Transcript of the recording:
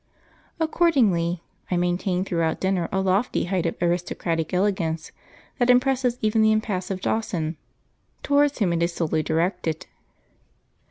Accordingly, I maintain throughout dinner a lofty height of aristocratic elegance that impresses even the impassive Dawson, towards whom it is solely directed.